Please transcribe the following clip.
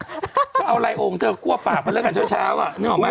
พี่หนุ่มเอาไรโอ่งเถอะกลัวปากกันเรื่องการเช้านึกออกไหม